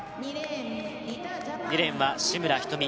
２レーンは紫村仁美